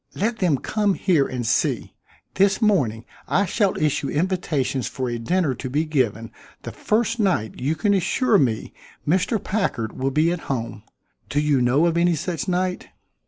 Let them come here and see. This morning I shall issue invitations for a dinner to be given the first night you can assure me Mr. Packard will be at home. Do you know of any such night?"